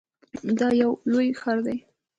دا یو لوی ویاړ دی.